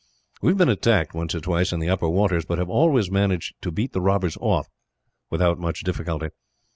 "We have been attacked, once or twice, in the upper waters; but have always managed to beat the robbers off, without much difficulty.